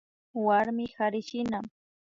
Warmi karishina